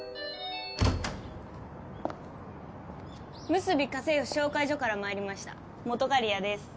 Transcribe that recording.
むすび家政婦紹介所から参りました本仮屋です。